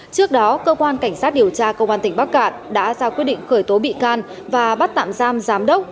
trước đó cơ quan cảnh sát điều tra công an tỉnh bắc cạn đã ra quyết định khởi tố bị can và bắt tạm giam giám đốc